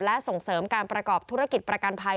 และส่งเสริมการประกอบธุรกิจประกันภัย